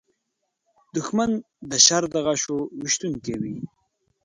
دښمن د شر د غشو ویشونکی وي